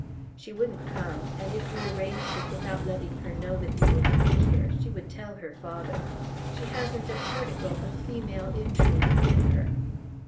"She wouldn't come; and if we arranged it without letting her know that you were to be here, she would tell her father. She hasn't a particle of female intrigue in her."